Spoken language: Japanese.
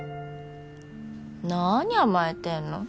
何甘えてるの？